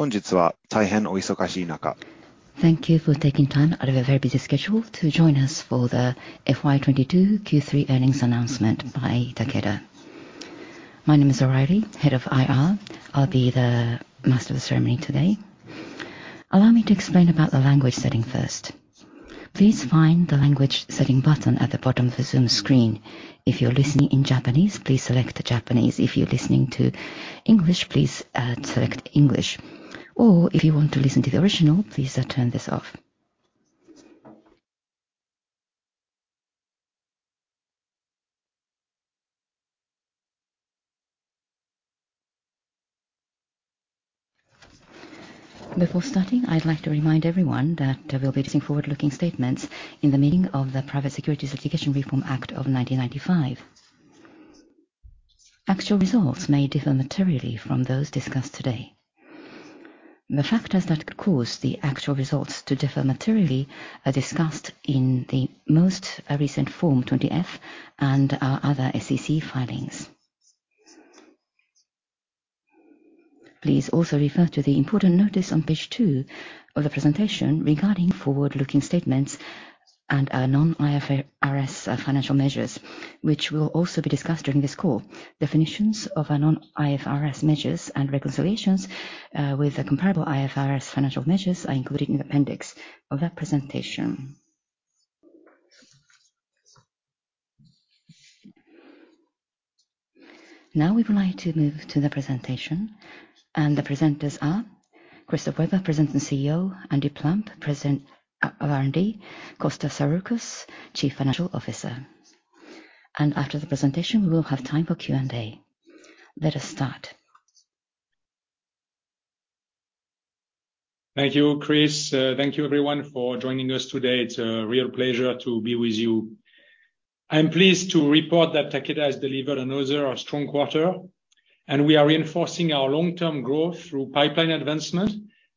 Thank you for taking time out of your very busy schedule to join us for the FY 2022 Q3 earnings announcement by Takeda. My name is O'Reilly, head of IR. I'll be the master of ceremony today. Allow me to explain about the language setting first. Please find the language setting button at the bottom of the Zoom screen. If you're listening in Japanese, please select Japanese. If you're listening to English, please select English, or if you want to listen to the original, please turn this off. Before starting, I'd like to remind everyone that there will be some forward-looking statements in the meaning of the Private Securities Litigation Reform Act of 1995. Actual results may differ materially from those discussed today. The factors that could cause the actual results to differ materially are discussed in the most recent Form 20-F and our other SEC filings. Please also refer to the important notice on page two of the presentation regarding forward-looking statements and our non-IFRS financial measures, which will also be discussed during this call. Definitions of our non-IFRS measures and reconciliations with the comparable IFRS financial measures are included in the appendix of that presentation. Now we would like to move to the presentation. The presenters are Christophe Weber, President and CEO, Andy Plump, President of R&D, Costa Saroukos, Chief Financial Officer. After the presentation, we will have time for Q&A. Let us start. Thank you, Chris. Thank you everyone for joining us today. It's a real pleasure to be with you. I'm pleased to report that Takeda has delivered another strong quarter, and we are reinforcing our long-term growth through pipeline advancement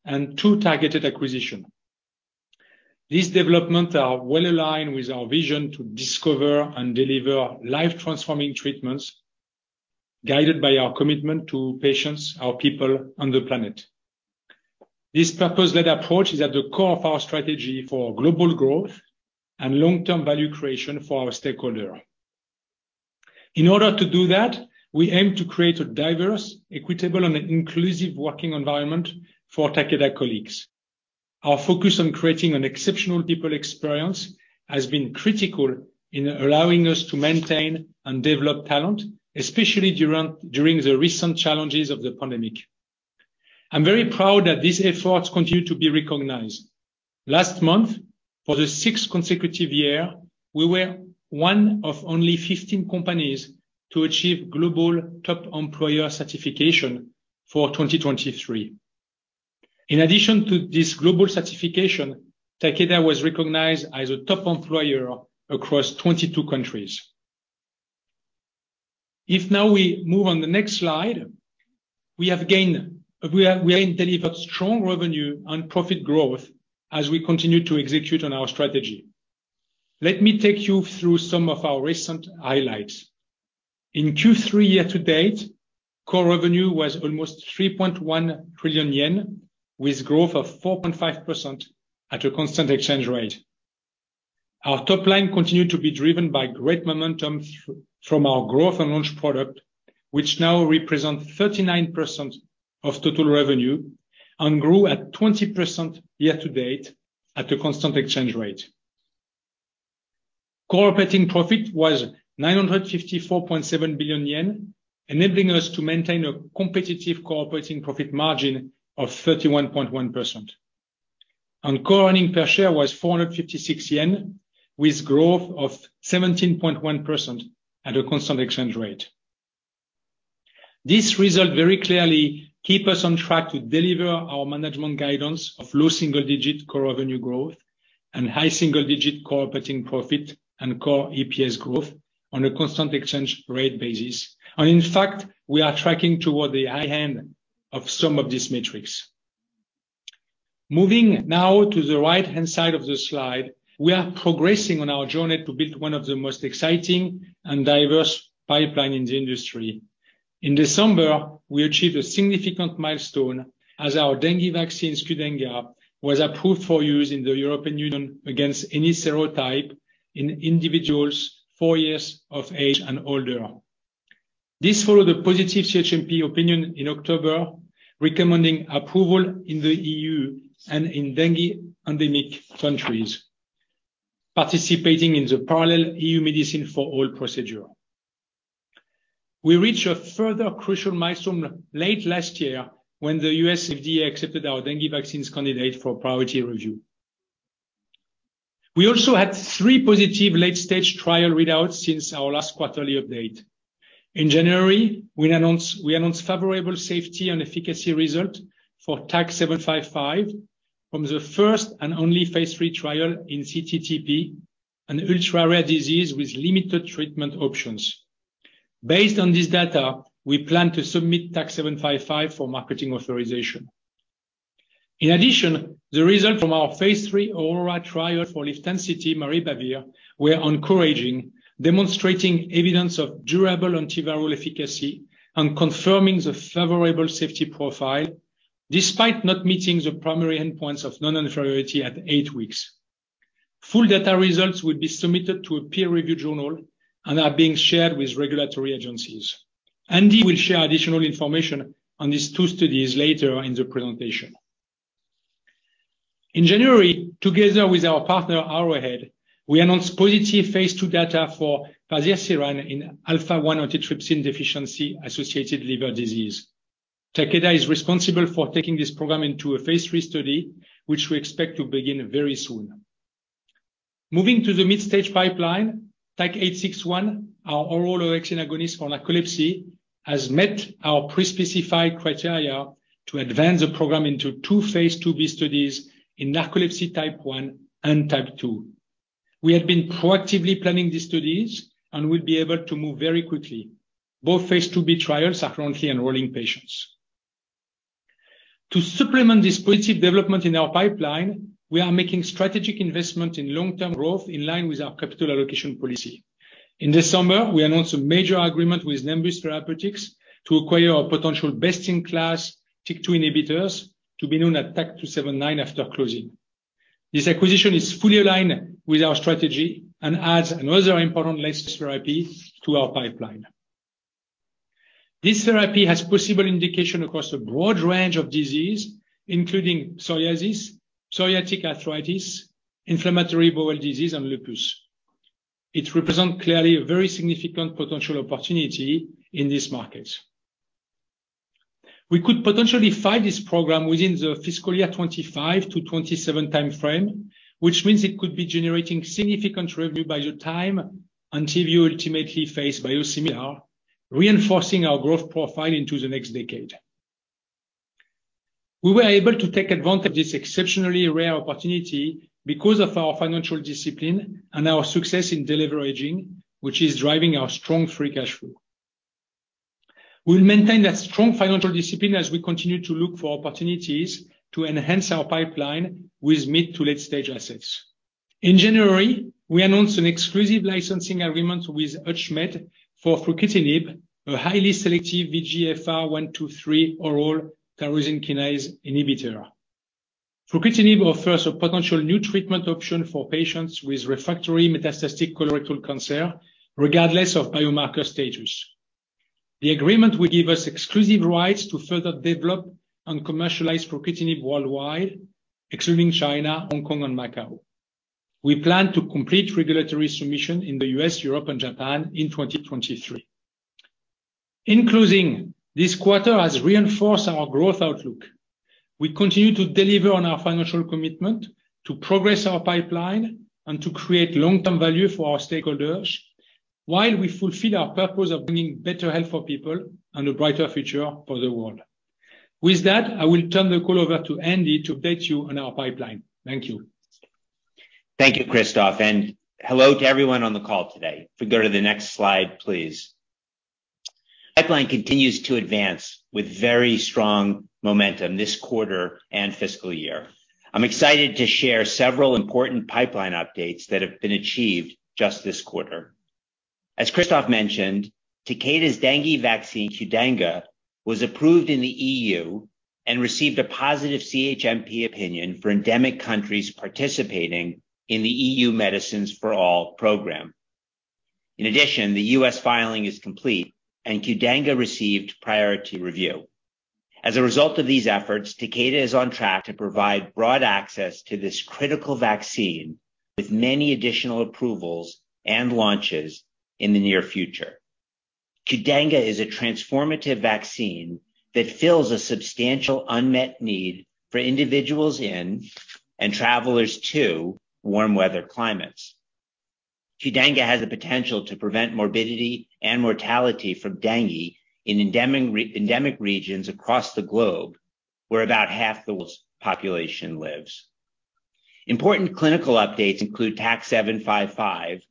and two targeted acquisition. These development are well aligned with our vision to discover and deliver life-transforming treatments, guided by our commitment to patients, our people, and the planet. This purpose-led approach is at the core of our strategy for global growth and long-term value creation for our stakeholder. In order to do that, we aim to create a diverse, equitable, and inclusive working environment for Takeda colleagues. Our focus on creating an exceptional people experience has been critical in allowing us to maintain and develop talent, especially during the recent challenges of the pandemic. I'm very proud that these efforts continue to be recognized. Last month, for the sixth consecutive year, we were one of only 15 companies to achieve global top employer certification for 2023. In addition to this global certification, Takeda was recognized as a top employer across 22 countries. If now we move on the next slide, we have delivered strong revenue and profit growth as we continue to execute on our strategy. Let me take you through some of our recent highlights. In Q3 year-to-date, core revenue was almost 3.1 trillion yen, with growth of 4.5% at a constant exchange rate. Our top line continued to be driven by great momentum from our growth and launch product, which now represent 39% of total revenue and grew at 20% year-to-date at a constant exchange rate. Core operating profit was 954.7 billion yen, enabling us to maintain a competitive core operating profit margin of 31.1%. Core earnings per share was 456 yen, with growth of 17.1% at a constant exchange rate. This result very clearly keeps us on track to deliver our management guidance of low single-digit core revenue growth and high single-digit core operating profit and core EPS growth on a constant exchange rate basis. In fact, we are tracking toward the high end of some of these metrics. Moving now to the right-hand side of the slide, we are progressing on our journey to build one of the most exciting and diverse pipeline in the industry. In December, we achieved a significant milestone as our dengue vaccine, QDENGA, was approved for use in the European Union against any serotype in individuals four years of age and older. This followed a positive CHMP opinion in October, recommending approval in the EU and in dengue endemic countries, participating in the parallel EU-Medicines for all procedure. We reached a further crucial milestone late last year when the U.S. FDA accepted our dengue vaccines candidate for priority review. We also had three positive late-stage trial readouts since our last quarterly update. In January, we announced favorable safety and efficacy result for TAK-755 from the first and only phase III trial in cTTP, an ultra-rare disease with limited treatment options. Based on this data, we plan to submit TAK-755 for marketing authorization. In addition, the result from our phase III AURORA trial for LIVTENCITY maribavir were encouraging, demonstrating evidence of durable antiviral efficacy and confirming the favorable safety profile, despite not meeting the primary endpoints of non-inferiority at eight weeks. Full data results will be submitted to a peer-review journal and are being shared with regulatory agencies. Andy will share additional information on these two studies later in the presentation. In January, together with our partner, Arrowhead, we announced positive phase II data for fazirsiran in alpha-1 antitrypsin deficiency-associated liver disease. Takeda is responsible for taking this program into a phase III study, which we expect to begin very soon. Moving to the mid-stage pipeline, TAK-861, our oral orexin agonist for narcolepsy, has met our pre-specified criteria to advance the program into two phase II-B studies in narcolepsy type 1 and type 2. We have been proactively planning these studies and will be able to move very quickly. Both phase II-B trials are currently enrolling patients. To supplement this positive development in our pipeline, we are making strategic investment in long-term growth in line with our capital allocation policy. In the summer, we announced a major agreement with Nimbus Therapeutics to acquire our potential best-in-class TYK2 inhibitors to be known as TAK-279 after closing. This acquisition is fully aligned with our strategy and adds another important license therapy to our pipeline. This therapy has possible indication across a broad range of disease, including psoriasis, psoriatic arthritis, inflammatory bowel disease, and lupus. It represent clearly a very significant potential opportunity in this market. We could potentially file this program within the fiscal year 2025-2027 time frame, which means it could be generating significant revenue by the time ENTYVIO ultimately face biosimilar, reinforcing our growth profile into the next decade. We were able to take advantage of this exceptionally rare opportunity because of our financial discipline and our success in deleveraging, which is driving our strong free cash flow. We'll maintain that strong financial discipline as we continue to look for opportunities to enhance our pipeline with mid- to late-stage assets. In January, we announced an exclusive licensing agreement with Hutchmed for fruquintinib, a highly selective VEGFR 1, 2, 3 oral tyrosine kinase inhibitor. Fruquintinib offers a potential new treatment option for patients with refractory metastatic colorectal cancer, regardless of biomarker status. The agreement will give us exclusive rights to further develop and commercialize fruquintinib worldwide, excluding China, Hong Kong, and Macau. We plan to complete regulatory submission in the U.S., Europe, and Japan in 2023. In closing, this quarter has reinforced our growth outlook. We continue to deliver on our financial commitment to progress our pipeline and to create long-term value for our stakeholders while we fulfill our purpose of bringing better health for people and a brighter future for the world. With that, I will turn the call over to Andy to update you on our pipeline. Thank you. Thank you, Christophe, and hello to everyone on the call today. If we go to the next slide, please. Pipeline continues to advance with very strong momentum this quarter and fiscal year. I'm excited to share several important pipeline updates that have been achieved just this quarter. As Christophe mentioned, Takeda's dengue vaccine, QDENGA, was approved in the EU and received a positive CHMP opinion for endemic countries participating in the EU-Medicines for all program. In addition, the U.S. filing is complete, and QDENGA received priority review. As a result of these efforts, Takeda is on track to provide broad access to this critical vaccine with many additional approvals and launches in the near future. QDENGA is a transformative vaccine that fills a substantial unmet need for individuals in, and travelers to warm weather climates. QDENGA has the potential to prevent morbidity and mortality from dengue in endemic re-endemic regions across the globe, where about half the world's population lives. Important clinical updates include TAK-755,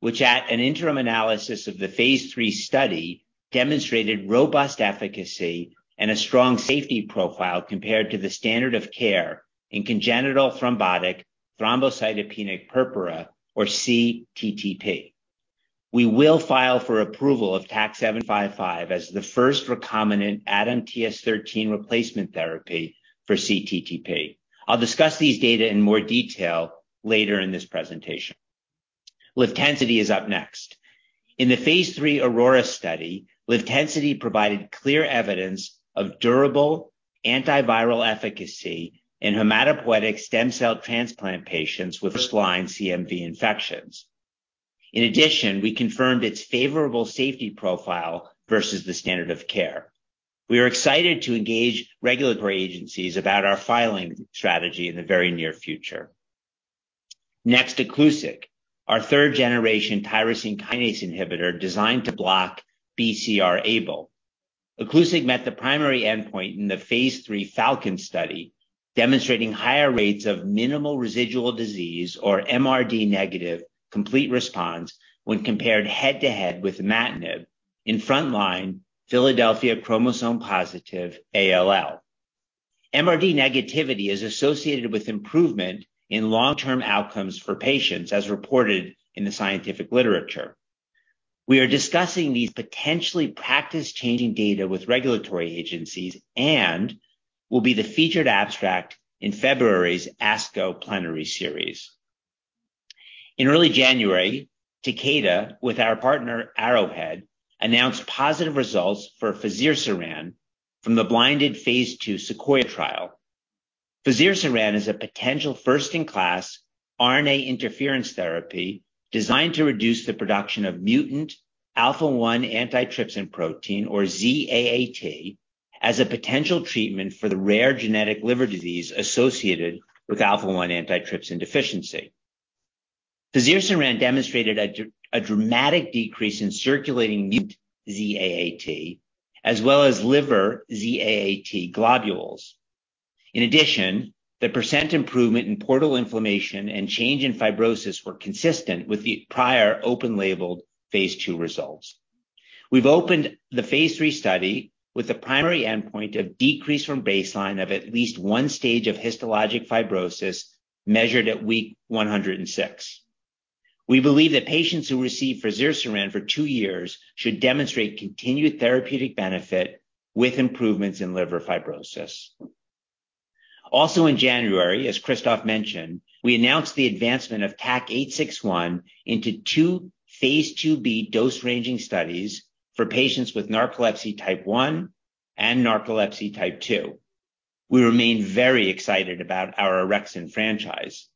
which at an interim analysis of the phase III study, demonstrated robust efficacy and a strong safety profile compared to the standard of care in congenital thrombotic thrombocytopenic purpura, or cTTP. We will file for approval of TAK-755 as the first recombinant ADAMTS13 replacement therapy for cTTP. I'll discuss these data in more detail later in this presentation. LIVTENCITY is up next. In the phase III AURORA study, LIVTENCITY provided clear evidence of durable antiviral efficacy in hematopoietic stem cell transplant patients with first-line CMV infections. In addition, we confirmed its favorable safety profile versus the standard of care. We are excited to engage regulatory agencies about our filing strategy in the very near future. ICLUSIG, our third-generation tyrosine kinase inhibitor designed to block BCR-ABL. ICLUSIG met the primary endpoint in the phase III FALCON study, demonstrating higher rates of minimal residual disease or MRD negative complete response when compared head to head with Imatinib in frontline, Philadelphia chromosome-positive ALL. MRD negativity is associated with improvement in long-term outcomes for patients as reported in the scientific literature. We are discussing these potentially practice-changing data with regulatory agencies and will be the featured abstract in February's ASCO Plenary Series. In early January, Takeda, with our partner Arrowhead, announced positive results for fazirsiran from the blinded phase II SEQUOIA trial. Fazirsiran is a potential first-in-class RNA interference therapy designed to reduce the production of mutant alpha-1 antitrypsin protein, or ZAAT, as a potential treatment for the rare genetic liver disease associated with alpha-1 antitrypsin deficiency. fazirsiran demonstrated a dramatic decrease in circulating mutant ZAAT as well as liver ZAAT globules. In addition, the percent improvement in portal inflammation and change in fibrosis were consistent with the prior open-labeled phase II results. We've opened the phase III study with the primary endpoint of decrease from baseline of at least one stage of histologic fibrosis measured at week 106. We believe that patients who receive fazirsiran for two years should demonstrate continued therapeutic benefit with improvements in liver fibrosis. Also in January, as Christoph mentioned, we announced the advancement of TAK-861 into two phase II-B dose-ranging studies for patients with narcolepsy type 1 and narcolepsy type 2. We remain very excited about our orexin franchise.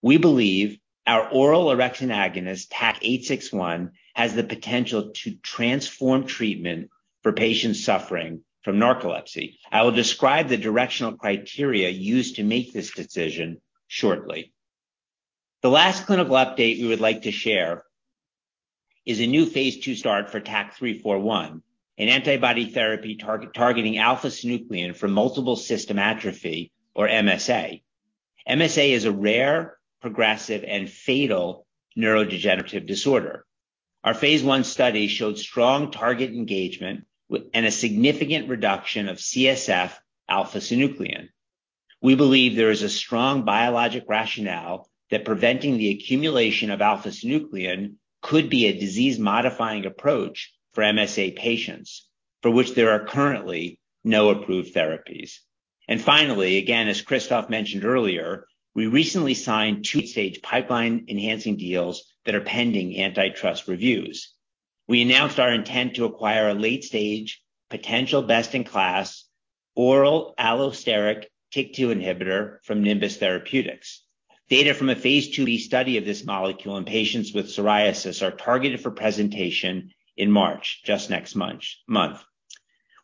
We believe our oral orexin agonist, TAK-861, has the potential to transform treatment for patients suffering from narcolepsy. I will describe the directional criteria used to make this decision shortly. The last clinical update we would like to share is a new phase II start for TAK-341, an antibody therapy targeting alpha-synuclein for multiple system atrophy, or MSA. MSA is a rare, progressive, and fatal neurodegenerative disorder. Our phase I study showed strong target engagement and a significant reduction of CSF alpha-synuclein. We believe there is a strong biologic rationale that preventing the accumulation of alpha-synuclein could be a disease-modifying approach for MSA patients, for which there are currently no approved therapies. Finally, again, as Christoph mentioned earlier, we recently signed two late-stage pipeline-enhancing deals that are pending antitrust reviews. We announced our intent to acquire a late-stage potential best-in-class oral allosteric TYK2 inhibitor from Nimbus Therapeutics. Data from a phase II-B study of this molecule in patients with psoriasis are targeted for presentation in March, just next month.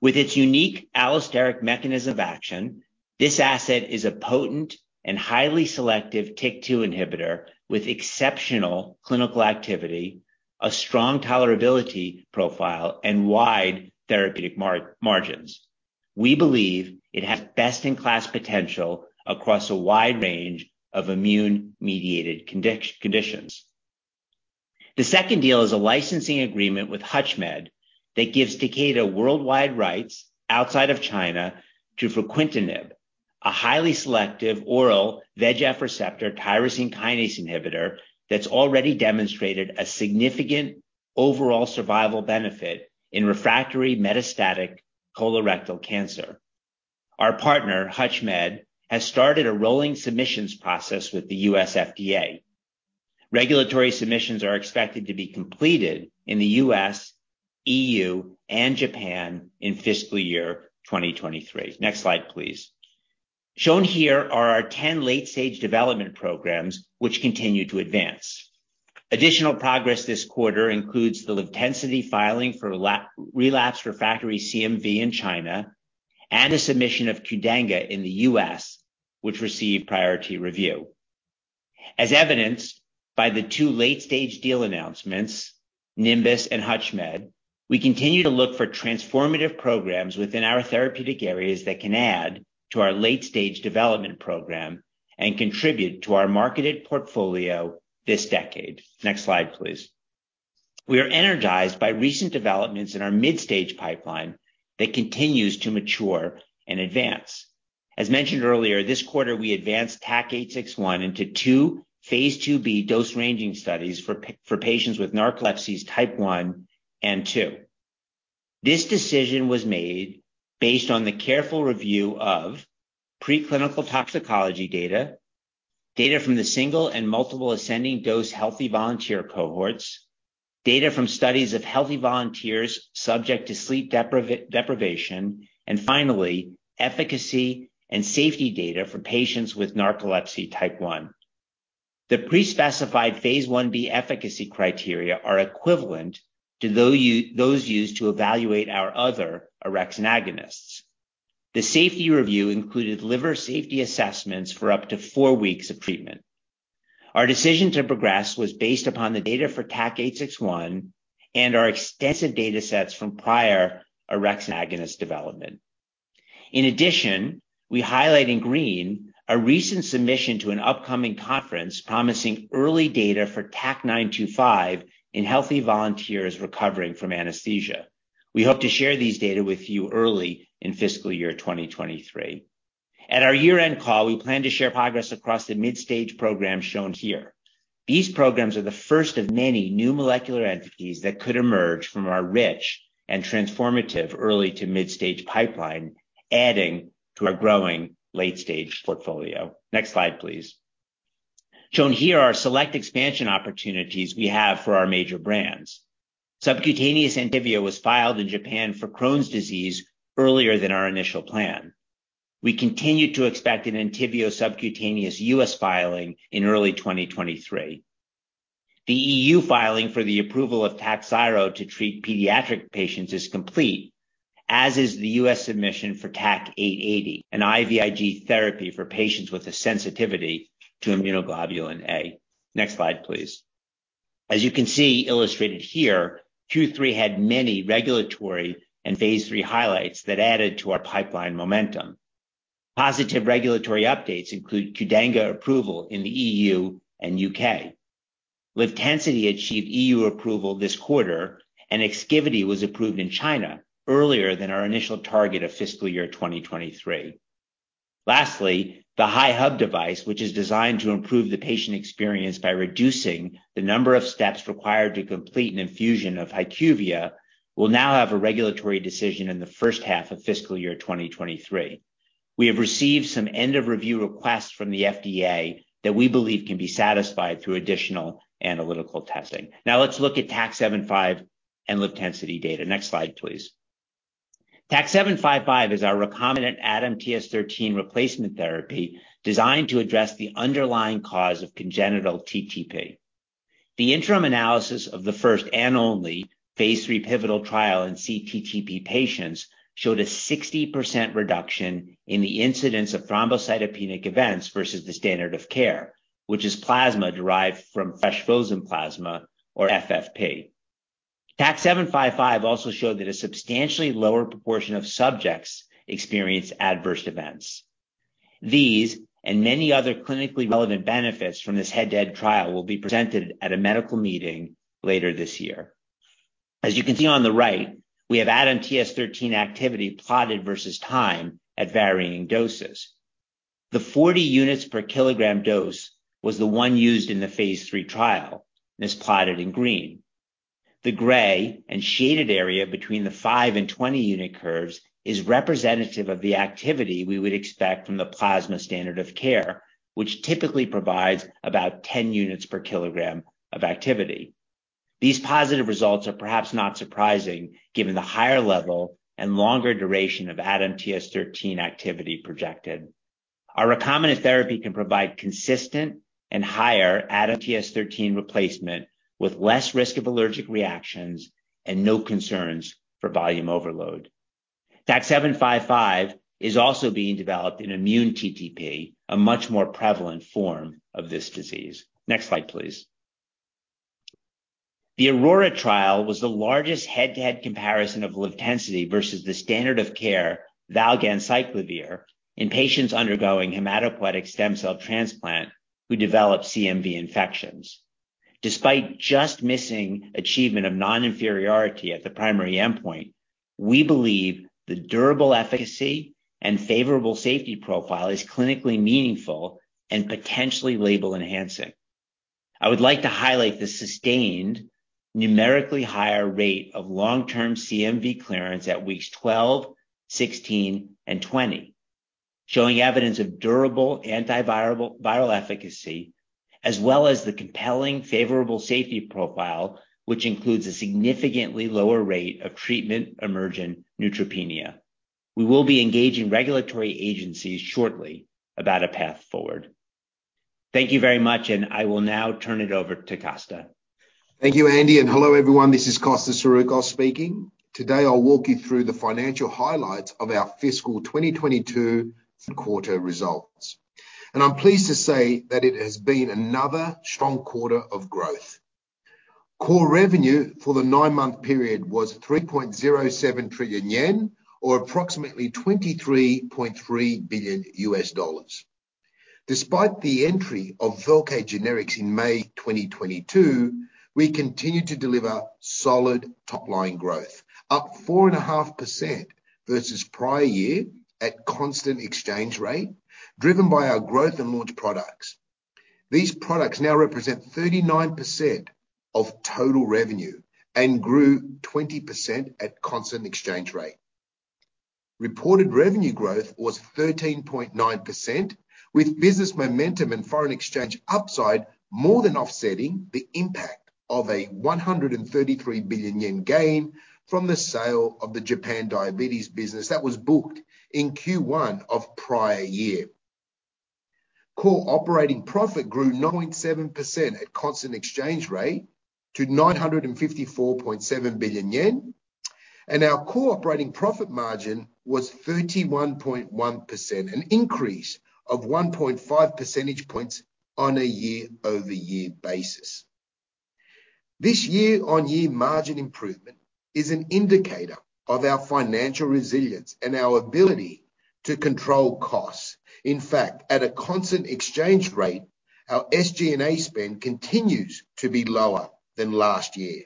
With its unique allosteric mechanism of action, this asset is a potent and highly selective TYK2 inhibitor with exceptional clinical activity, a strong tolerability profile, and wide therapeutic margins. We believe it has best-in-class potential across a wide range of immune-mediated conditions. The second deal is a licensing agreement with Hutchmed that gives Takeda worldwide rights outside of China to fruquintinib, a highly selective oral VEGF receptor tyrosine kinase inhibitor that's already demonstrated a significant overall survival benefit in refractory metastatic colorectal cancer. Our partner, Hutchmed, has started a rolling submissions process with the U.S. FDA. Regulatory submissions are expected to be completed in the U.S., E.U., and Japan in fiscal year 2023. Next slide, please. Shown here are our 10 late-stage development programs, which continue to advance. Additional progress this quarter includes the LIVTENCITY filing for relapse refractory CMV in China, and a submission of QDENGA in the U.S., which received priority review. As evidenced by the two late-stage deal announcements, Nimbus and Hutchmed, we continue to look for transformative programs within our therapeutic areas that can add to our late-stage development program and contribute to our marketed portfolio this decade. Next slide, please. We are energized by recent developments in our mid-stage pipeline that continues to mature and advance. As mentioned earlier, this quarter, we advanced TAK-861 into two phase II-B dose-ranging studies for patients with narcolepsy type 1 and 2. This decision was made based on the careful review of preclinical toxicology data from the single and multiple ascending dose healthy volunteer cohorts, data from studies of healthy volunteers subject to sleep deprivation, and finally, efficacy and safety data for patients with narcolepsy type 1. The pre-specified phase I-B efficacy criteria are equivalent to those used to evaluate our other orexin agonists. The safety review included liver safety assessments for up to four weeks of treatment. Our decision to progress was based upon the data for TAK-861 and our extensive data sets from prior orexin agonist development. In addition, we highlight in green a recent submission to an upcoming conference promising early data for TAK-925 in healthy volunteers recovering from anesthesia. We hope to share these data with you early in fiscal year 2023. At our year-end call, we plan to share progress across the mid-stage programs shown here. These programs are the first of many new molecular entities that could emerge from our rich and transformative early to mid-stage pipeline, adding to our growing late-stage portfolio. Next slide, please. Shown here are select expansion opportunities we have for our major brands. Subcutaneous ENTYVIO was filed in Japan for Crohn's disease earlier than our initial plan. We continue to expect an ENTYVIO subcutaneous U.S. filing in early 2023. The E.U. filing for the approval of TAKHZYRO to treat pediatric patients is complete, as is the U.S. submission for TAK-880, an IVIG therapy for patients with a sensitivity to immunoglobulin A. Next slide, please. As you can see illustrated here, Q3 had many regulatory and phase III highlights that added to our pipeline momentum. Positive regulatory updates include QDENGA approval in the E.U. and U.K. LIVTENCITY achieved EU approval this quarter, and EXKIVITY was approved in China earlier than our initial target of fiscal year 2023. Lastly, the HyHub device, which is designed to improve the patient experience by reducing the number of steps required to complete an infusion of HYQVIA, will now have a regulatory decision in the first half of fiscal year 2023. We have received some end-of-review requests from the FDA that we believe can be satisfied through additional analytical testing. Now let's look at TAK-755 and LIVTENCITY data. Next slide, please. TAK-755 is our recombinant ADAMTS13 replacement therapy designed to address the underlying cause of congenital TTP. The interim analysis of the first and phase III pivotal trial in cTTP patients showed a 60% reduction in the incidence of thrombocytopenic events versus the standard of care, which is plasma derived from fresh frozen plasma, or FFP. TAK-755 also showed that a substantially lower proportion of subjects experienced adverse events. These and many other clinically relevant benefits from this head-to-head trial will be presented at a medical meeting later this year. As you can see on the right, we have ADAMTS13 activity plotted versus time at varying doses. The 40 units per kilogram dose was the one used in the phase III trial, and is plotted in green. The gray and shaded area between the five and 20 unit curves is representative of the activity we would expect from the plasma standard of care, which typically provides about 10 units per kilogram of activity. These positive results are perhaps not surprising given the higher level and longer duration of ADAMTS13 activity projected. Our recombinant therapy can provide consistent and higher ADAMTS13 replacement with less risk of allergic reactions and no concerns for volume overload. TAK-755 is also being developed in immune TTP, a much more prevalent form of this disease. Next slide, please. The AURORA trial was the largest head-to-head comparison of LIVTENCITY versus the standard of care valganciclovir in patients undergoing hematopoietic stem cell transplant who develop CMV infections. Despite just missing achievement of non-inferiority at the primary endpoint, we believe the durable efficacy and favorable safety profile is clinically meaningful and potentially label-enhancing. I would like to highlight the sustained numerically higher rate of long-term CMV clearance at weeks 12, 16, and 20, showing evidence of durable anti-viral efficacy as well as the compelling favorable safety profile, which includes a significantly lower rate of treatment-emergent neutropenia. We will be engaging regulatory agencies shortly about a path forward. Thank you very much, and I will now turn it over to Costa. Thank you, Andy. Hello, everyone. This is Costa Saroukos speaking. Today, I'll walk you through the financial highlights of our fiscal 2022 quarter results. I'm pleased to say that it has been another strong quarter of growth. Core revenue for the nine-month period was 3.07 trillion yen or approximately $23.3 billion. Despite the entry of VELCADE generics in May 2022, we continued to deliver solid top-line growth, up 4.5% versus prior year at constant exchange rate, driven by our growth and launch products. These products now represent 39% of total revenue and grew 20% at constant exchange rate. Reported revenue growth was 13.9%, with business momentum and foreign exchange upside more than offsetting the impact of a 133 billion yen gain from the sale of the Japan diabetes business that was booked in Q1 of prior year. Core operating profit grew 9.7% at constant exchange rate to 954.7 billion yen, and our core operating profit margin was 31.1%, an increase of 1.5 percentage points on a year-over-year basis. This year-on-year margin improvement is an indicator of our financial resilience and our ability to control costs. In fact, at a constant exchange rate, our SG&A spend continues to be lower than last year.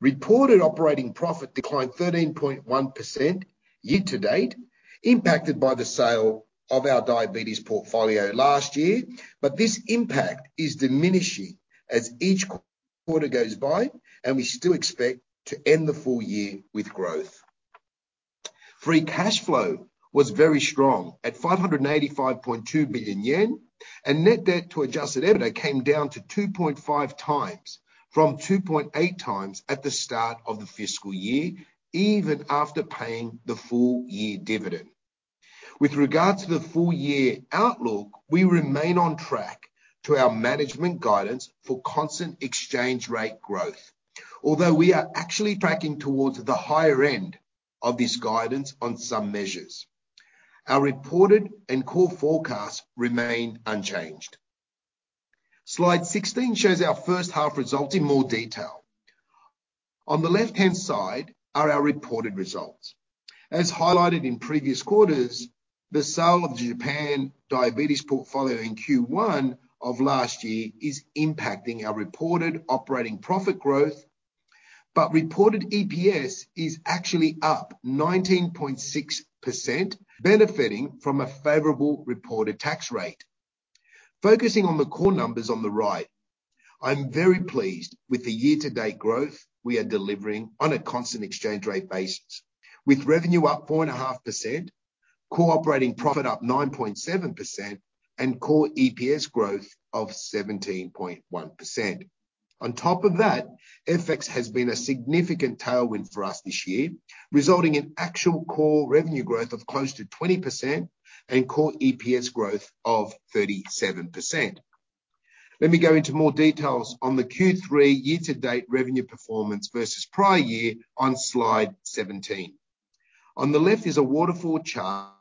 Reported operating profit declined 13.1% year-to-date, impacted by the sale of our diabetes portfolio last year. This impact is diminishing as each quarter goes by, and we still expect to end the full year with growth. Free cash flow was very strong at 585.2 billion yen. Net debt to Adjusted EBITDA came down to 2.5 times from 2.8 times at the start of the fiscal year, even after paying the full year dividend. With regards to the full year outlook, we remain on track to our management guidance for constant exchange rate growth. Although we are actually tracking towards the higher end of this guidance on some measures. Our reported and core forecasts remain unchanged. Slide 16 shows our first half results in more detail. On the left-hand side are our reported results. As highlighted in previous quarters, the sale of the Japan diabetes portfolio in Q1 of last year is impacting our reported operating profit growth. Reported EPS is actually up 19.6%, benefiting from a favorable reported tax rate. Focusing on the core numbers on the right, I'm very pleased with the year-to-date growth we are delivering on a constant exchange rate basis. With revenue up 4.5%, core operating profit up 9.7%, and core EPS growth of 17.1%. On top of that, FX has been a significant tailwind for us this year, resulting in actual core revenue growth of close to 20% and core EPS growth of 37%. Let me go into more details on the Q3 year-to-date revenue performance versus prior year on slide 17. On the left is a waterfall chart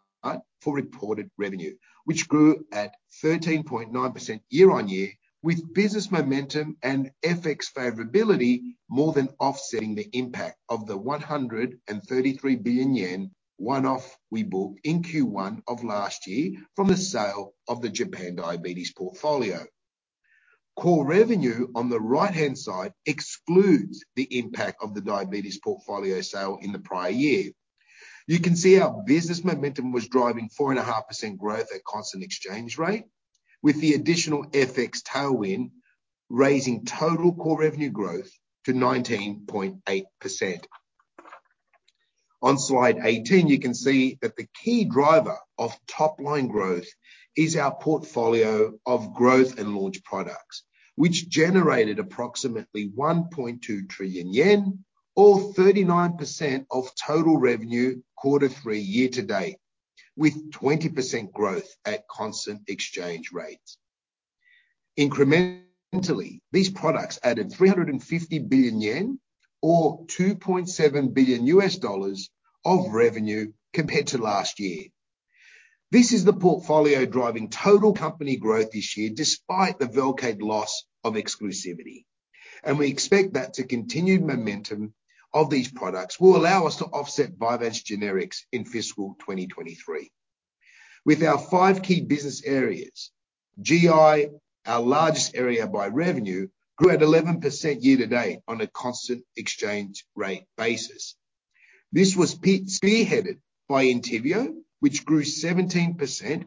for reported revenue, which grew at 13.9% year-over-year with business momentum and FX favorability more than offsetting the impact of the 133 billion yen one-off we booked in Q1 of last year from the sale of the Japan diabetes portfolio. Core revenue, on the right-hand side, excludes the impact of the diabetes portfolio sale in the prior year. You can see our business momentum was driving 4.5% growth at constant exchange rate, with the additional FX tailwind raising total core revenue growth to 19.8%. On slide 18, you can see that the key driver of top-line growth is our portfolio of growth and launch products, which generated approximately 1.2 trillion yen or 39% of total revenue quarter three year-to-date. With 20% growth at constant exchange rates. Incrementally, these products added 350 billion yen or $2.7 billion of revenue compared to last year. This is the portfolio driving total company growth this year despite the VELCADE loss of exclusivity. We expect that the continued momentum of these products will allow us to offset Vyvanse generics in fiscal 2023. With our five key business areas, GI, our largest area by revenue, grew at 11% year-to-date on a constant exchange rate basis. This was spearheaded by ENTYVIO, which grew 17%,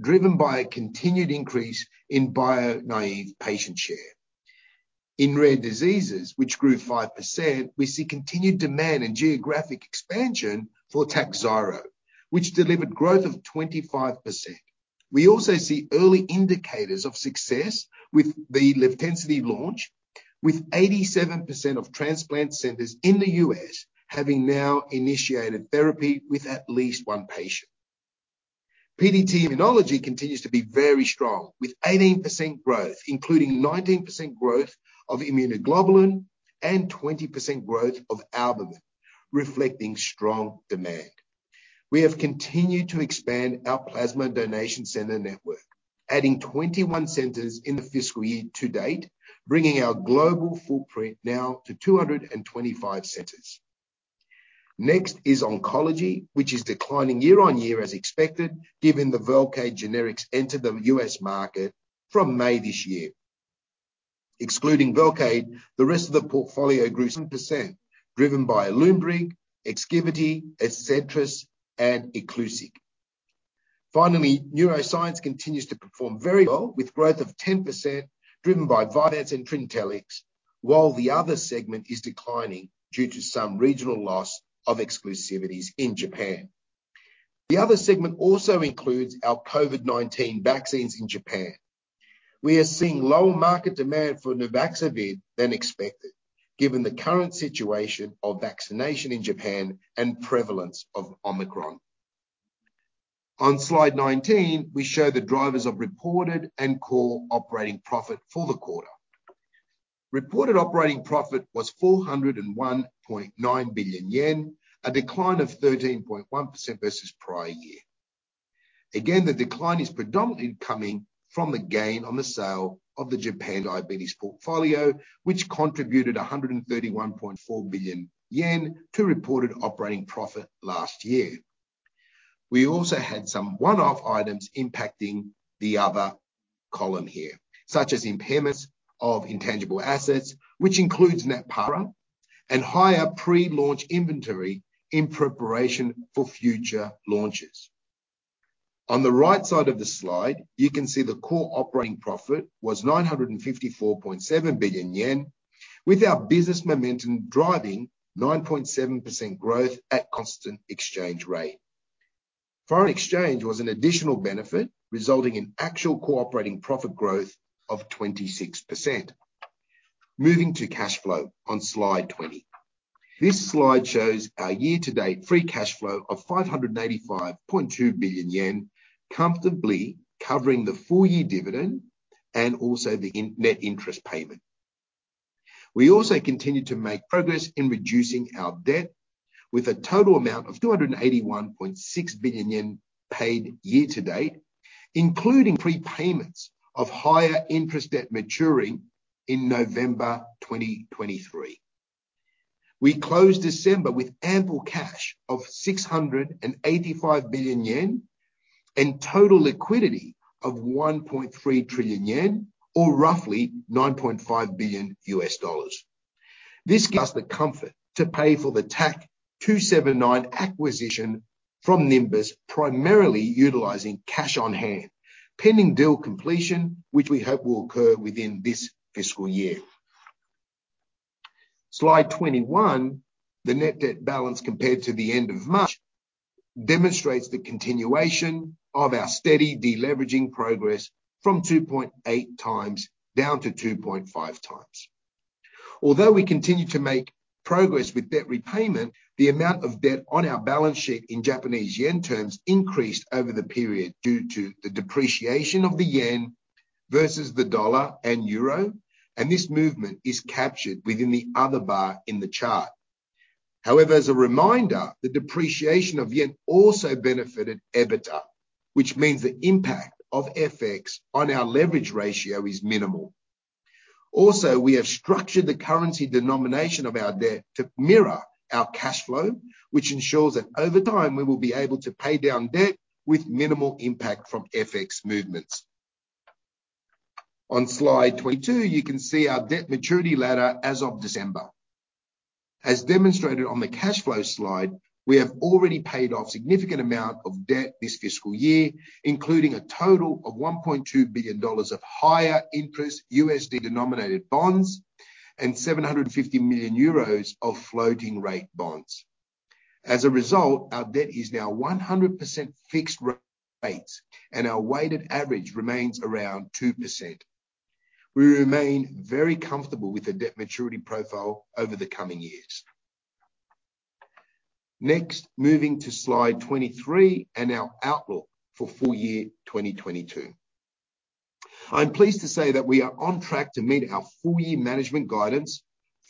driven by a continued increase in bio-naive patient share. In rare diseases, which grew 5%, we see continued demand and geographic expansion for TAKHZYRO, which delivered growth of 25%. We also see early indicators of success with the LIVTENCITY launch, with 87% of transplant centers in the U.S. having now initiated therapy with at least one patient. PDT Immunology continues to be very strong, with 18% growth, including 19% growth of immunoglobulin and 20% growth of albumin, reflecting strong demand. We have continued to expand our plasma donation center network, adding 21 centers in the fiscal year-to-date, bringing our global footprint now to 225 centers. Next is oncology, which is declining year-on-year as expected, given the VELCADE generics entered the U.S. market from May this year. Excluding VELCADE, the rest of the portfolio grew 7%, driven by ALUNBRIG, EXKIVITY, ADCETRIS, and ICLUSIG. Neuroscience continues to perform very well, with growth of 10% driven by Vyvanse and TRINTELLIX, while the other segment is declining due to some regional loss of exclusivities in Japan. The other segment also includes our COVID-19 vaccines in Japan. We are seeing lower market demand for Nuvaxovid than expected given the current situation of vaccination in Japan and prevalence of Omicron. On slide 19, we show the drivers of reported and core operating profit for the quarter. Reported operating profit was 401.9 billion yen, a decline of 13.1% versus prior year. The decline is predominantly coming from the gain on the sale of the Japan diabetes portfolio, which contributed 131.4 billion yen to reported operating profit last year. We also had some one-off items impacting the other column here, such as impairments of intangible assets, which includes Natpara, and higher pre-launch inventory in preparation for future launches. The right side of the slide, you can see the core operating profit was 954.7 billion yen, with our business momentum driving 9.7% growth at constant exchange rate. Foreign exchange was an additional benefit, resulting in actual cooperating profit growth of 26%. Moving to cash flow on slide 20. This slide shows our year-to-date free cash flow of 585.2 billion yen, comfortably covering the full year dividend and also the in-net interest payment. We also continued to make progress in reducing our debt with a total amount of 281.6 billion yen paid year-to-date, including prepayments of higher interest debt maturing in November 2023. We closed December with ample cash of 685 billion yen and total liquidity of 1.3 trillion yen or roughly $9.5 billion. This gives us the comfort to pay for the TAK-279 acquisition from Nimbus, primarily utilizing cash on hand pending deal completion, which we hope will occur within this fiscal year. Slide 21, the net debt balance compared to the end of March demonstrates the continuation of our steady deleveraging progress from 2.8 times down to 2.5 times. Although we continue to make progress with debt repayment, the amount of debt on our balance sheet in Japanese yen terms increased over the period due to the depreciation of the yen versus the dollar and euro. This movement is captured within the other bar in the chart. As a reminder, the depreciation of yen also benefited EBITDA, which means the impact of FX on our leverage ratio is minimal. We have structured the currency denomination of our debt to mirror our cash flow, which ensures that over time we will be able to pay down debt with minimal impact from FX movements. On slide 22, you can see our debt maturity ladder as of December. As demonstrated on the cash flow slide, we have already paid off significant amount of debt this fiscal year, including a total of $1.2 billion of higher interest USD-denominated bonds and 750 million euros of floating rate bonds. As a result, our debt is now 100% fixed rates, and our weighted average remains around 2%. Moving to slide 23 and our outlook for full year 2022. I'm pleased to say that we are on track to meet our full-year management guidance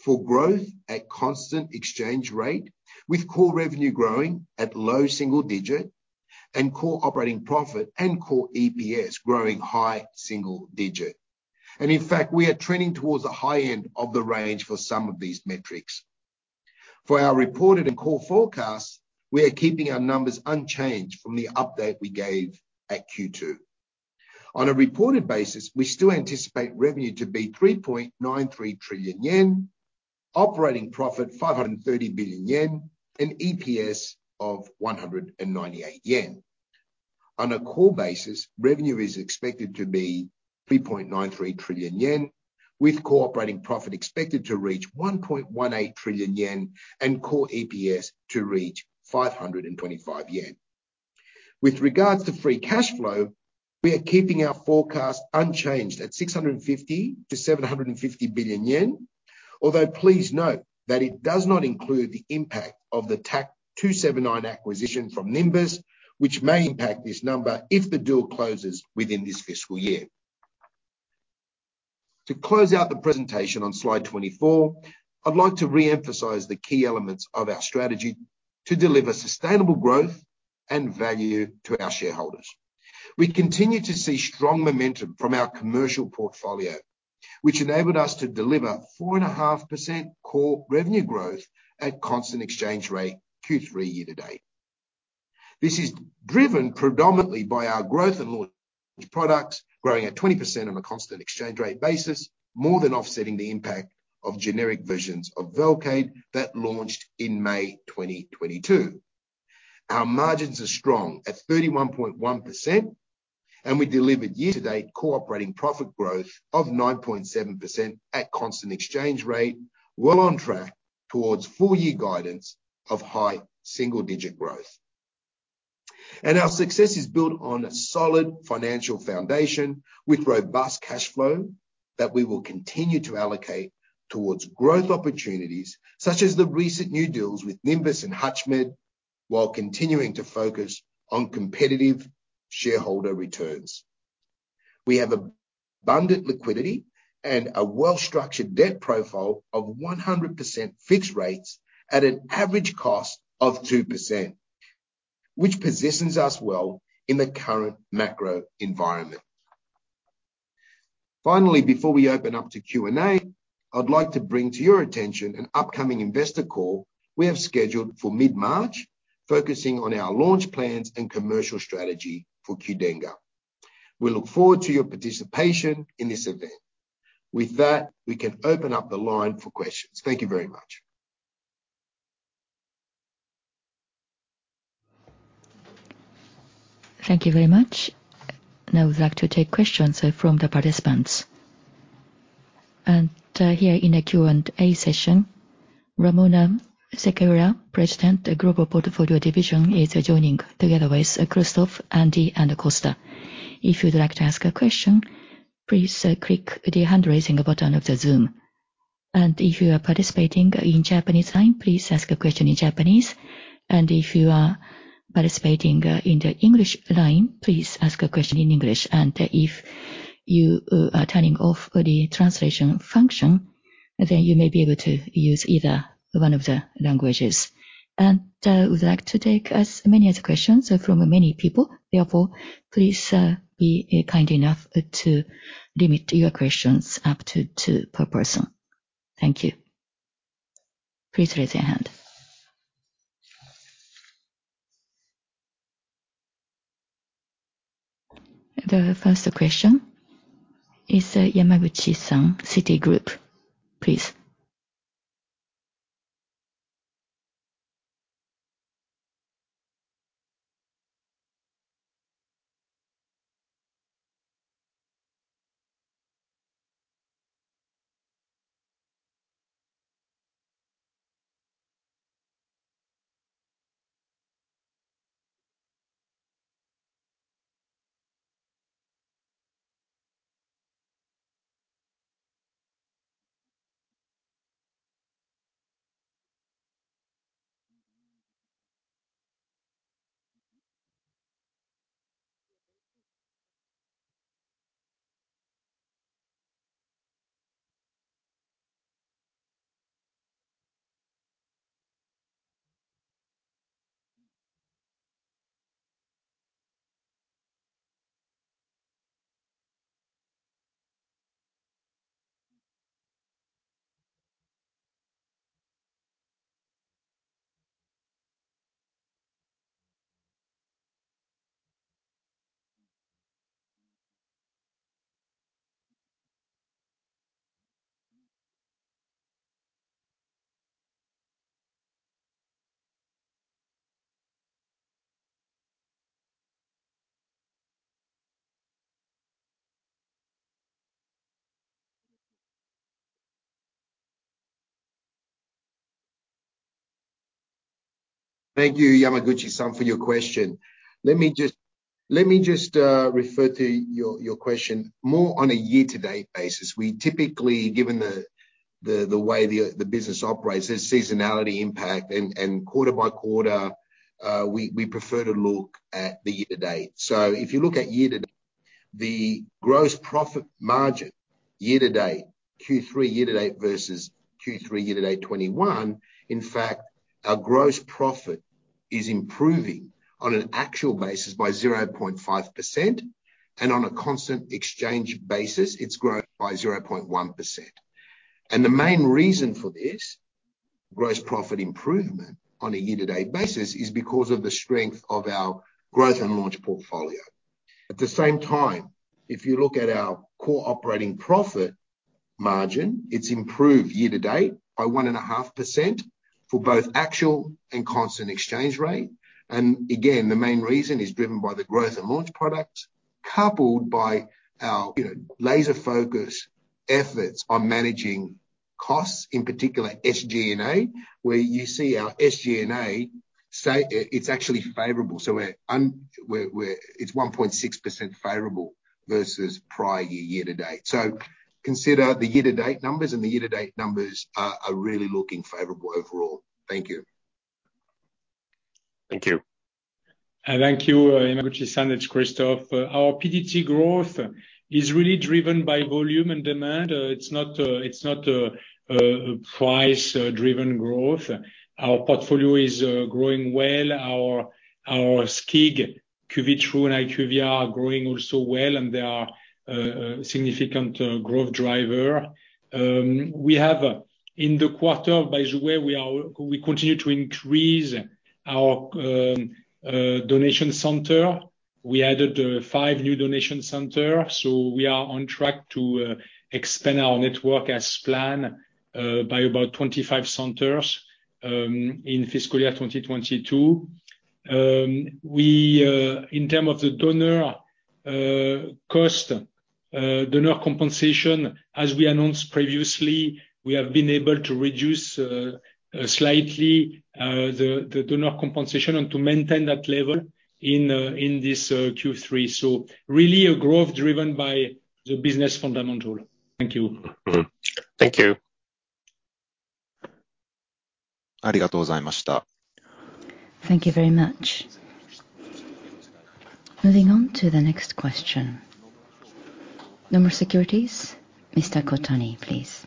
for growth at constant exchange rate, with core revenue growing at low double digit and core operating profit and core EPS growing high single digit. In fact, we are trending towards the high end of the range for some of these metrics. For our reported and core forecasts, we are keeping our numbers unchanged from the update we gave at Q2. On a reported basis, we still anticipate revenue to be 3.93 trillion yen, operating profit 530 billion yen, and EPS of 198 yen. On a core basis, revenue is expected to be 3.93 trillion yen, with core operating profit expected to reach 1.18 trillion yen and core EPS to reach 525 yen. With regards to free cash flow, we are keeping our forecast unchanged at 650 billion-750 billion yen. Please note that it does not include the impact of the TAK-279 acquisition from Nimbus, which may impact this number if the deal closes within this fiscal year. To close out the presentation on slide 24, I'd like to re-emphasize the key elements of our strategy to deliver sustainable growth and value to our shareholders. We continue to see strong momentum from our commercial portfolio, which enabled us to deliver 4.5% core revenue growth at constant exchange rate Q3 year-to-date. This is driven predominantly by our growth and launch products growing at 20% on a constant exchange rate basis, more than offsetting the impact of generic versions of VELCADE that launched in May 2022. Our margins are strong at 31.1%, we delivered year-to-date core operating profit growth of 9.7% at constant exchange rate, well on track towards full year guidance of high single digit growth. Our success is built on a solid financial foundation with robust cash flow that we will continue to allocate towards growth opportunities, such as the recent new deals with Nimbus and Hutchmed, while continuing to focus on competitive shareholder returns. We have abundant liquidity and a well-structured debt profile of 100% fixed rates at an average cost of 2%, which positions us well in the current macro environment. Finally, before we open up to Q&A, I'd like to bring to your attention an upcoming investor call we have scheduled for mid-March, focusing on our launch plans and commercial strategy for QDENGA. We look forward to your participation in this event. With that, we can open up the line for questions. Thank you very much. Thank you very much. Now we'd like to take questions from the participants. Here in the Q&A session, Ramona Sequeira, President, Global Portfolio Division, is joining together with Christophe, Andy, and Costa. If you'd like to ask a question, please click the hand-raising button of the Zoom. If you are participating in Japanese line, please ask a question in Japanese. If you are participating in the English line, please ask a question in English. If you are turning off the translation function, then you may be able to use either one of the languages. We'd like to take as many as questions from many people. Therefore, please be kind enough to limit your questions up to two per person. Thank you. Please raise your hand. The first question is Yamaguchi-san, Citigroup. Please. Thank you, Yamaguchi-san, for your question. Let me just refer to your question more on a year-to-date basis. We typically, given the way the business operates, there's seasonality impact, and quarter by quarter, we prefer to look at the year-to-date. If you look at year to the gross profit margin year-to-date, Q3 year-to-date versus Q3 year-to-date 2021, in fact, our gross profit is improving on an actual basis by 0.5%. On a constant exchange basis, it's grown by 0.1%. The main reason for this gross profit improvement on a year-to-date basis is because of the strength of our growth and launch portfolio. At the same time, if you look at our core operating profit margin, it's improved year-to-date by 1.5% for both actual and constant exchange rate. Again, the main reason is driven by the growth and launch products, coupled by our, you know, laser-focused efforts on managing costs, in particular SG&A, where you see our SG&A say it's actually favorable. It's 1.6% favorable versus prior year year-to-date. Consider the year-to-date numbers, and the year-to-date numbers are really looking favorable overall. Thank you. Thank you. Thank you, Yamaguchi-san. It's Christophe. Our PDT growth is really driven by volume and demand. It's not, it's not a price-driven growth. Our portfolio is growing well. Our SCIG, Cuvitru and HYQVIA, are growing also well, and they are a significant growth driver. We have in the quarter, by the way, we continue to increase our donation center. We added five new donation centers, we are on track to expand our network as planned by about 25 centers in fiscal year 2022. We in term of the donor cost, donor compensation, as we announced previously, we have been able to reduce slightly the donor compensation and to maintain that level in this Q3. Really a growth driven by the business fundamental. Thank you. Mm-hmm. Thank you. Thank you very much. Moving on to the next question. Nomura Securities. Mr. Kotani, please.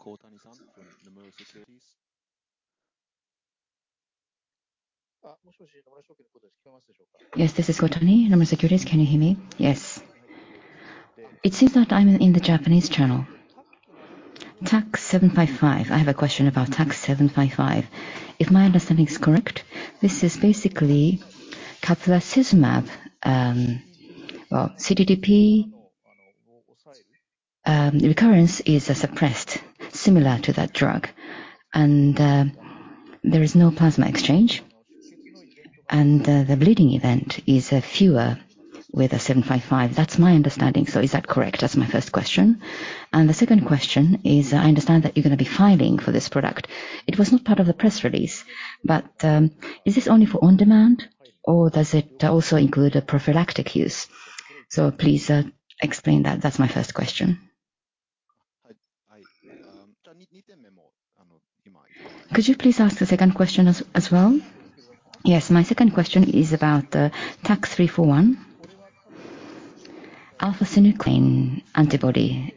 Kotani-san from Nomura Securities. Yes, this is Kotani, Nomura Securities. Can you hear me? Yes. It seems that I'm in the Japanese channel. TAK-755. I have a question about TAK-755. If my understanding is correct, this is basically Caplacizumab. Well, cTTP recurrence is suppressed similar to that drug. There is no plasma exchange. The bleeding event is fewer with 755. That's my understanding. Is that correct? That's my first question. The second question is I understand that you're gonna be filing for this product. It was not part of the press release, but is this only for on-demand or does it also include a prophylactic use? Please explain that. That's my first question. Could you please ask the second question as well? Yes. My second question is about TAK-341. Alpha-synuclein antibody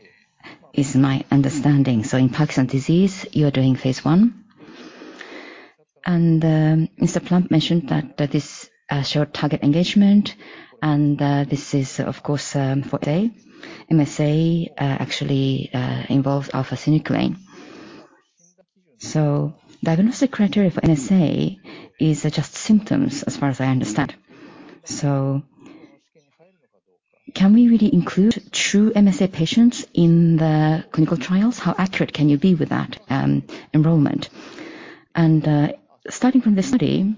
is my understanding. In Parkinson's disease you are doing phase I. Mr. Plump mentioned that is a short target engagement and this is of course for MSA involves alpha-synuclein. Diagnostic criteria for MSA is just symptoms as far as I understand. Can we really include true MSA patients in the clinical trials? How accurate can you be with that enrollment? Starting from the study,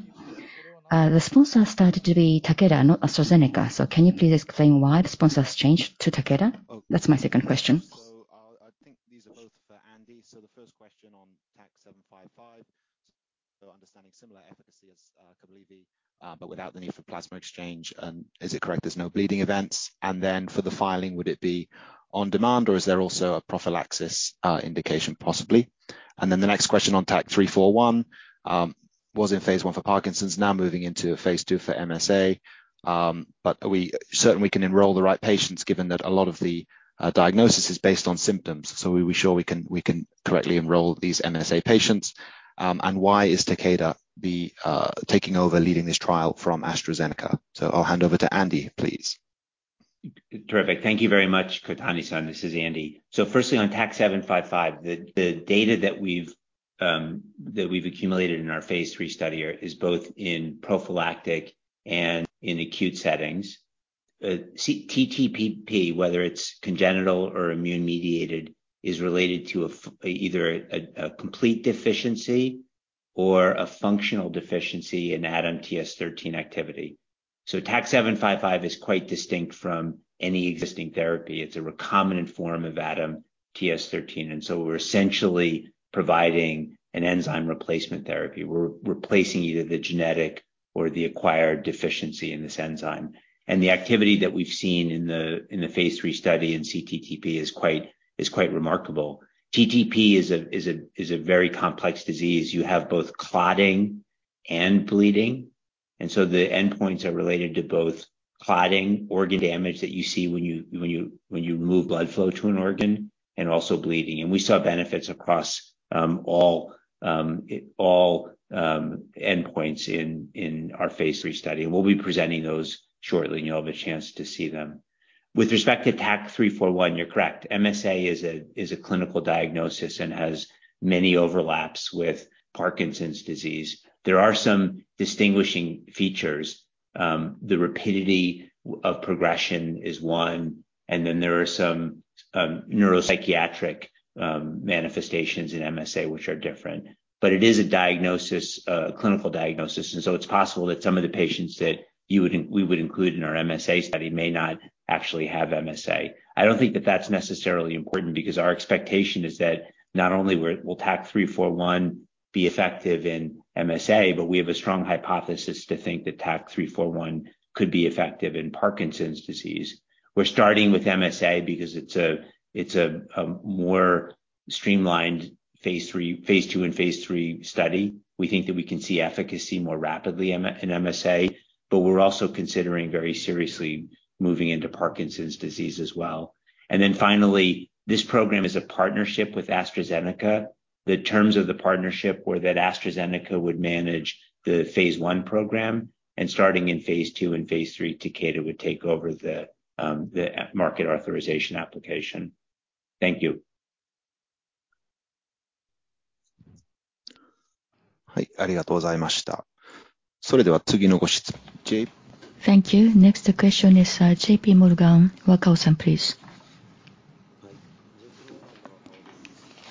the sponsor started to be Takeda, not AstraZeneca. Can you please explain why the sponsor has changed to Takeda? That's my second question. I think these are both for Andy. The first question on TAK-755. Understanding similar efficacy as Cablivi, but without the need for plasma exchange. Is it correct there's no bleeding events? For the filing, would it be on demand or is there also a prophylaxis indication possibly? The next question on TAK-341, was in phase I for Parkinson's, now moving into phase II for MSA. Are we certain we can enroll the right patients given that a lot of the diagnosis is based on symptoms. Are we sure we can correctly enroll these MSA patients? Why is Takeda taking over leading this trial from AstraZeneca? I'll hand over to Andy, please. Terrific. Thank you very much, Kotani-san. This is Andy. Firstly on TAK-755, the data that we've accumulated in our phase III study is both in prophylactic and in acute settings. cTTP, whether it's congenital or immune mediated, is related to either a complete deficiency or a functional deficiency in ADAMTS13 activity. TAK-755 is quite distinct from any existing therapy. It's a recombinant form of ADAMTS13, we're essentially providing an enzyme replacement therapy. We're replacing either the genetic or the acquired deficiency in this enzyme. The activity that we've seen in the phase III study in cTTP is quite remarkable. TTP is a very complex disease. You have both clotting and bleeding. The endpoints are related to both clotting organ damage that you see when you move blood flow to an organ and also bleeding. We saw benefits across all endpoints in our phase III study. We'll be presenting those shortly, and you'll have a chance to see them. With respect to TAK-341, you're correct. MSA is a clinical diagnosis and has many overlaps with Parkinson's disease. There are some distinguishing features. The rapidity of progression is one, and then there are some neuropsychiatric manifestations in MSA which are different. It is a diagnosis, a clinical diagnosis. It's possible that some of the patients that we would include in our MSA study may not actually have MSA. I don't think that that's necessarily important because our expectation is that not only will TAK-341 be effective in MSA, but we have a strong hypothesis to think that TAK-341 could be effective in Parkinson's disease. We're starting with MSA because it's a more streamlined phase III, phase II and phase III study. We think that we can see efficacy more rapidly in MSA, but we're also considering very seriously moving into Parkinson's disease as well. Finally, this program is a partnership with AstraZeneca. The terms of the partnership were that AstraZeneca would manage the phase I program, and starting in phase II and phase III, Takeda would take over the market authorization application. Thank you. Hi. Thank you very much. Thank you. Next question is, J.P. Morgan. Wakao-san, please.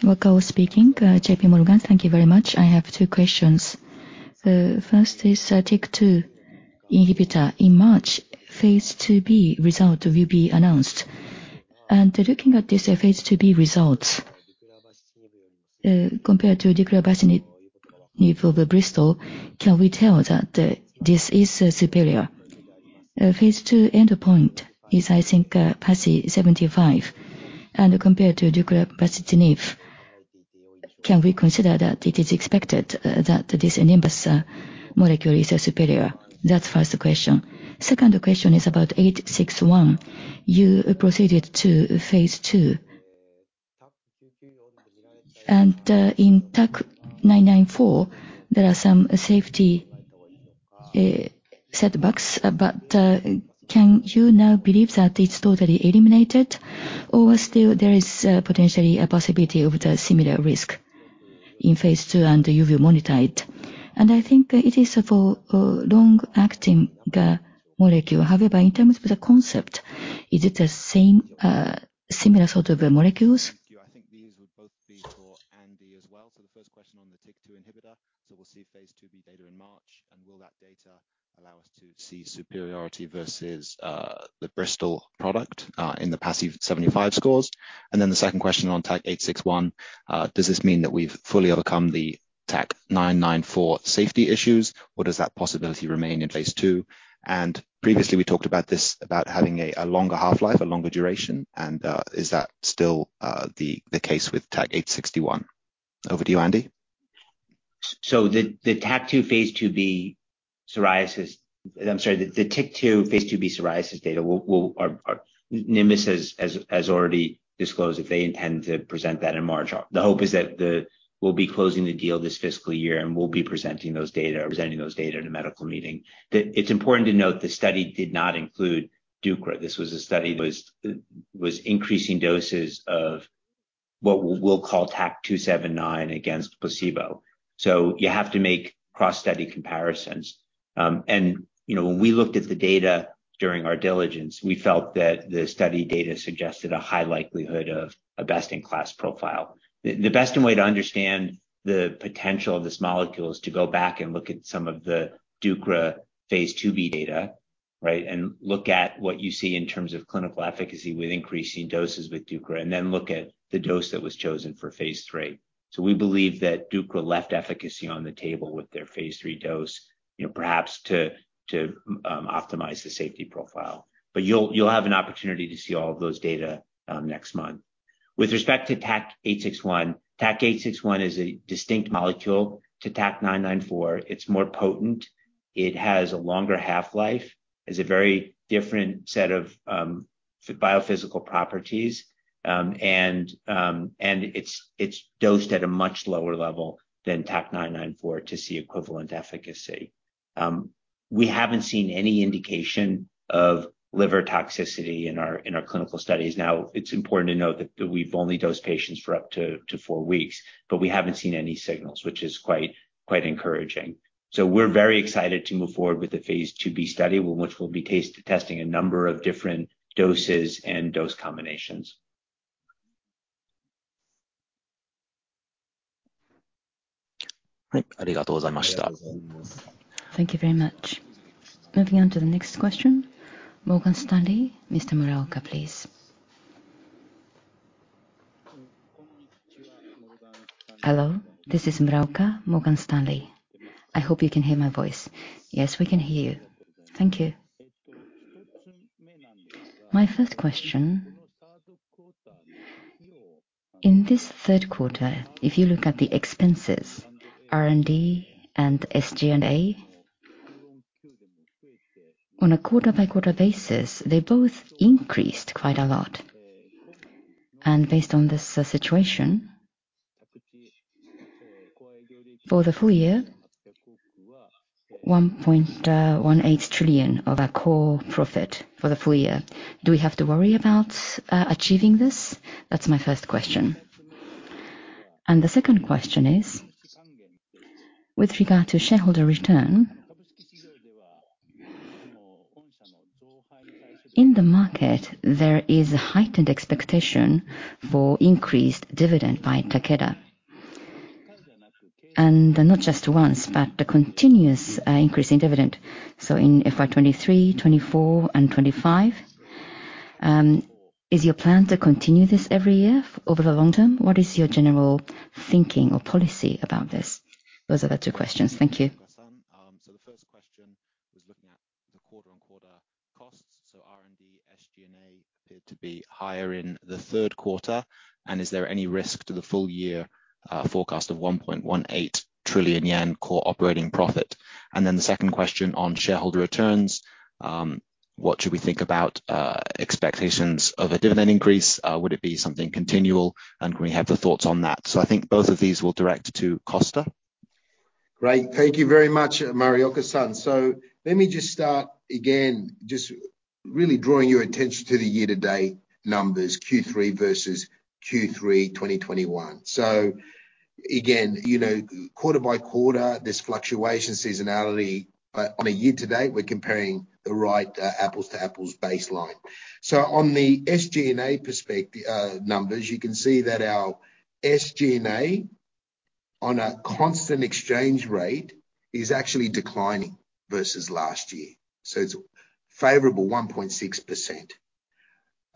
Wakao speaking, J.P. Morgan. Thank you very much. I have two questions. The first is TYK2 inhibitor. In March, phase II-B result will be announced. Looking at this, phase II-B results, compared to Bristol, can we tell that this is superior? Phase II endpoint is I think, PASI 75, and compared to, can we consider that it is expected that this Nimbus molecule is superior? That's first question. Second question is about TAK-861. You proceeded to phase II. In TAK-994 there are some safety setbacks, but can you now believe that it's totally eliminated or still there is potentially a possibility of the similar risk in phase II and you will monitor it? I think it is for long-acting molecule. In terms of the concept, is it the same, similar sort of molecules? Thank you. I think these would both be for Andy as well. The first question on the TYK2 inhibitor. We'll see phase II-B data in March, and will that data allow us to see superiority versus, the Bristol product, in the PASI 75 scores. The second question on TAK-861, does this mean that we've fully overcome the TAK-994 safety issues, or does that possibility remain in phase II? Previously we talked about this, about having a longer half-life, a longer duration, and, is that still, the case with TAK-861? Over to you, Andy. I'm sorry. NIMBUS has already disclosed that they intend to present that in March. We'll be closing the deal this fiscal year, and we'll be presenting those data at a medical meeting. It's important to note the study did not include Adzynma. This was a study that was increasing doses of what we'll call TAK-279 against placebo. You have to make cross study comparisons. You know, when we looked at the data during our diligence, we felt that the study data suggested a high likelihood of a best in class profile. The best way to understand the potential of this molecule is to go back and look at some of the Adzynma phase II-B data, right? Look at what you see in terms of clinical efficacy with increasing doses with Adzynma. Look at the dose that was chosen for phase III. We believe that Adzynma left efficacy on the table with their phase III dose, you know, perhaps to optimize the safety profile. You'll have an opportunity to see all of those data next month. With respect to TAK-861, TAK-861 is a distinct molecule to TAK-994. It's more potent. It has a longer half-life. It's a very different set of biophysical properties. It's dosed at a much lower level than TAK-994 to see equivalent efficacy. We haven't seen any indication of liver toxicity in our clinical studies. Now, it's important to note that we've only dosed patients for up to four weeks, but we haven't seen any signals, which is quite encouraging. We're very excited to move forward with the phase IIB study, which will be testing a number of different doses and dose combinations. Thank you very much. Moving on to the next question. Morgan Stanley. Mr. Muraoka please. Hello, this is Muraoka, Morgan Stanley. I hope you can hear my voice. Yes, we can hear you. Thank you. My first question, in this third quarter, if you look at the expenses, R&D and SG&A, on a quarter-by-quarter basis, they both increased quite a lot. Based on this situation, for the full year, 1.18 trillion of our core profit for the full year. Do we have to worry about achieving this? That's my first question. The second question is, with regard to shareholder return, in the market there is a heightened expectation for increased dividend by Takeda. Not just once, but a continuous increase in dividend. In FY 2023, 2024, and 2025, is your plan to continue this every year over the long term? What is your general thinking or policy about this? Those are the two questions. Thank you. Muraoka-san. The first question was looking at the quarter-on-quarter costs. R&D, SG&A appeared to be higher in the third quarter. Is there any risk to the full year forecast of 1.18 trillion yen core operating profit? The second question on shareholder returns, what should we think about expectations of a dividend increase? Would it be something continual? Can we have the thoughts on that? I think both of these we'll direct to Costa. Great. Thank you very much, Muraoka-san. Let me just start again just really drawing your attention to the year-to-date numbers, Q3 versus Q3 2021. Again, you know, quarter by quarter, this fluctuation seasonality, on a year-to-date, we're comparing the right apples to apples baseline. On the SG&A numbers, you can see that our SG&A on a constant exchange rate is actually declining versus last year. It's favorable 1.6%.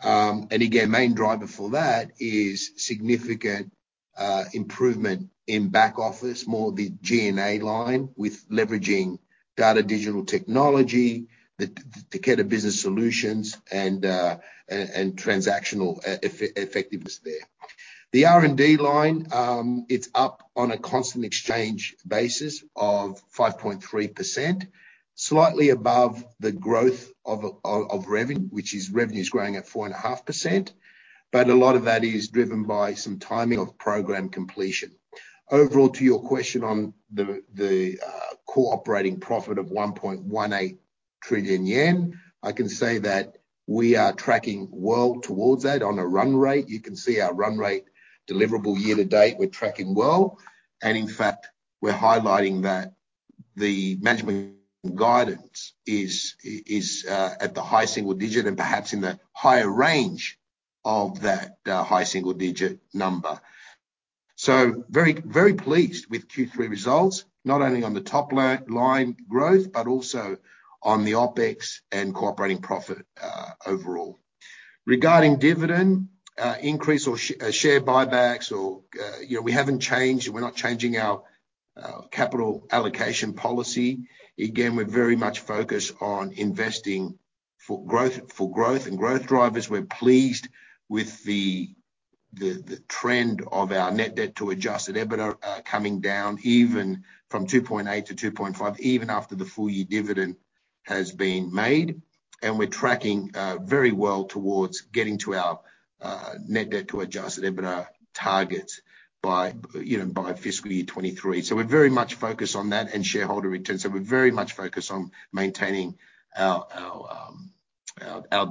And again, main driver for that is significant improvement in back office, more the G&A line with leveraging data digital technology, the Takeda Business Solutions and transactional effectiveness there. The R&D line, it's up on a constant exchange basis of 5.3%, slightly above the growth of revenue, which is revenue is growing at 4.5%. A lot of that is driven by some timing of program completion. Overall, to your question on the core operating profit of 1.18 trillion yen, I can say that we are tracking well towards that on a run rate. You can see our run rate deliverable year-to-date, we're tracking well. In fact, we're highlighting that the management guidance is at the high single digit and perhaps in the higher range of that high single digit number. Very, very pleased with Q3 results, not only on the top line growth, but also on the OpEx and core operating profit overall. Regarding dividend, increase or share buybacks or, you know, we haven't changed. We're not changing our capital allocation policy. Again, we're very much focused on investing for growth, for growth and growth drivers. We're pleased with the trend of our net debt to Adjusted EBITDA, coming down even from 2.8 to 2.5, even after the full year dividend has been made. We're tracking very well towards getting to our net debt to Adjusted EBITDA targets by fiscal year 2023. We're very much focused on that and shareholder returns. We're very much focused on maintaining our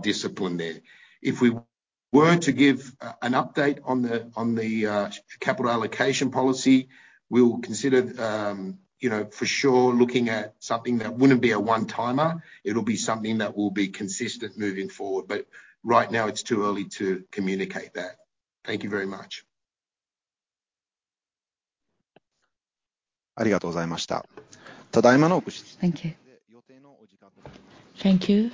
discipline there. If we were to give, an update on the, on the, capital allocation policy, we'll consider, you know, for sure looking at something that wouldn't be a one-timer, it'll be something that will be consistent moving forward. Right now, it's too early to communicate that. Thank you very much. Thank you. Thank you.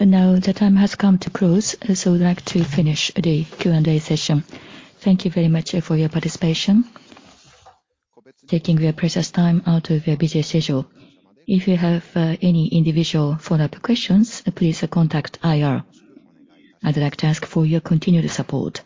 Now the time has come to close, so I'd like to finish the Q&A session. Thank you very much for your participation, taking your precious time out of your busy schedule. If you have any individual follow-up questions, please contact IR. I'd like to ask for your continued support.